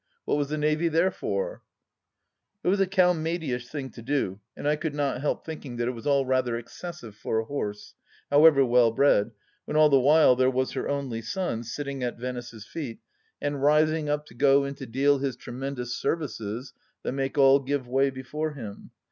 What was the Navy there for ? It was a Calmadyish thing to do, and I could not help thinking that it was all rather excessive for a horse, however well bred, when all the while there was her only son, sitting at Venice's feet, and rising up to go in to deal his tremendous services that make all give way before him.